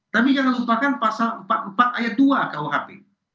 tapi jangan lupakan pasal empat puluh empat ayat dua kuhp